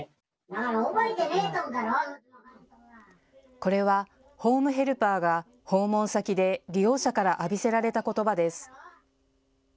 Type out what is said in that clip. これは、ホームヘルパーが訪問先で利用者から浴びせられたことばです。